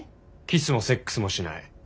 キスもセックスもしない。